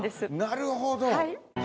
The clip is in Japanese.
なるほど。